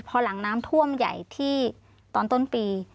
พอหลังน้ำท่วมใหญ่ที่ตอนต้นปี